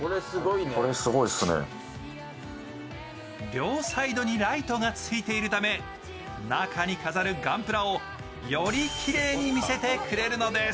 両サイドにライトがついているため、中に飾るガンプラをよりきれいに見せてくれるのです。